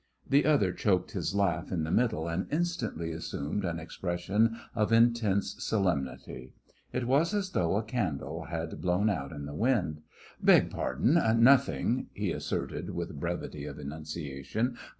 The other choked his laugh in the middle, and instantly assumed an expression of intense solemnity. It was as though a candle had blown out in the wind. "Beg pardon. Nothing," he asserted with brevity of enunciation.